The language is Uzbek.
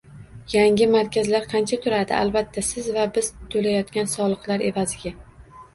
Yangi markazlar qancha turadi? Albatta, siz va biz to'layotgan soliqlar evaziga